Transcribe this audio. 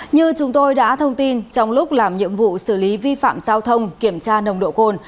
như chúng tôi đã thông tin trong lúc làm nhiệm vụ xử lý vi phạm giao thông kiểm tra nồng độ cồn